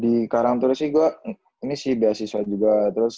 di karangturi sih gue ini sih beasiswa juga